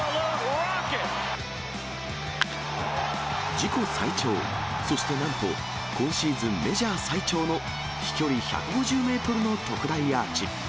自己最長、そしてなんと、今シーズンメジャー最長の飛距離１５０メートルの特大アーチ。